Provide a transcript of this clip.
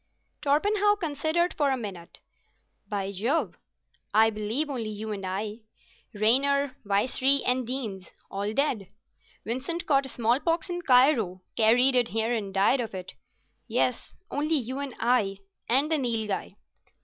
Torpenhow considered for a minute. "By Jove! I believe only you and I. Raynor, Vicery, and Deenes—all dead; Vincent caught smallpox in Cairo, carried it here and died of it. Yes, only you and I and the Nilghai."